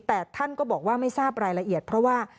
แต่ท่านก็บอกว่าไม่ทราบรายละเอียดเพราะว่า